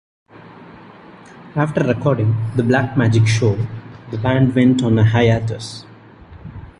After recording "The Black Magic Show", the band went on a hiatus.